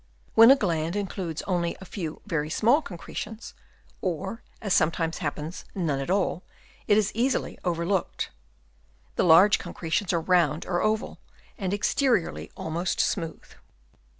When a gland includes only a few very small concretions, or, as sometimes happens, none at all, it is easily overlooked. The large concretions are round or oval, and exteriorly almost smooth.